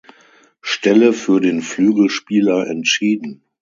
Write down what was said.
Stelle für den Flügelspieler entschieden.